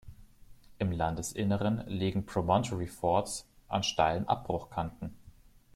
Im Landesinneren liegen Promontory Forts an steilen Abbruchkanten.